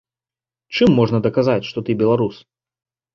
Чым можна даказаць, што ты беларус?